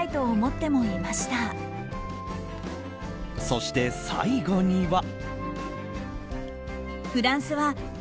そして、最後には。